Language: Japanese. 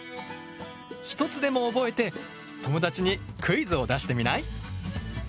一つでも覚えて友達にクイズを出してみない？